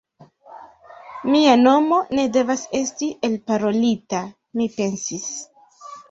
Mia nomo ne devas esti elparolita, mi pensis.